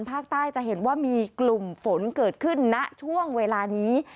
ภาคใต้จะเห็นว่ามีกลุ่มฝนเกิดขึ้นณช่วงเวลานี้